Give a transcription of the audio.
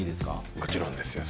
もちろんですよ。